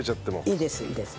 いいですいいです。